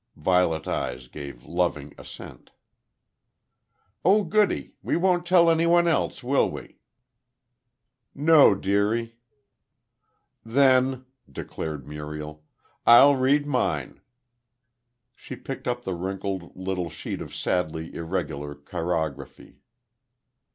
Violet eyes gave loving assent. "Oh, goody! We won't tell anyone else, will we?" "No, dearie." "Then," declared Muriel, "I'll read mine." She picked up the wrinkled little sheet of sadly irregular chirography.